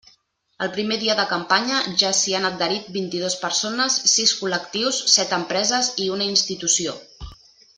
El primer dia de campanya ja s'hi han adherit vint-i-dos persones, sis col·lectius, set empreses i una institució.